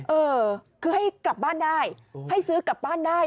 เออคือให้กลับบ้านได้ให้ซื้อกลับบ้านได้